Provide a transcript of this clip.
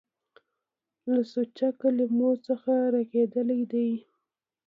له سوچه کلمو څخه رغېدلي دي.